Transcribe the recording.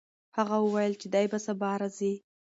هغه وویل چې دی به سبا راځي.